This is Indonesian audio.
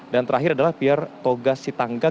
dan terakhir adalah pr toga sitanggang